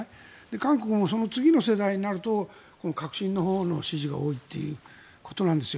韓国もその次の世代になると革新のほうの支持が多いということなんですよ。